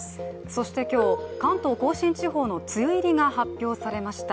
そして今日、関東甲信地方の梅雨入りが発表されました。